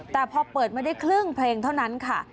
แต่พอเปิดมาได้ครึ่งเพลงเท่านั้นค่ะ